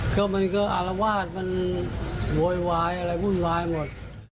ก็มันก็อารวาสมันโวยวายอะไรวุ่นวายหมด